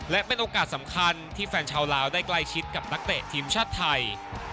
และเป็นโอกาสสำคัญที่แฟนชาวลาวได้ใกล้ชิดกับนักเตะทีมชาติไทย